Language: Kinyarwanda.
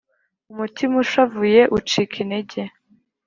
umutima ushavuye ucika intege.